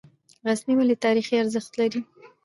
غزني ولې تاریخي ارزښت لري؟